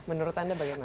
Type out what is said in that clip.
menurut anda bagaimana